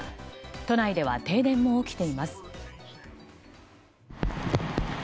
都内では停電も起きています。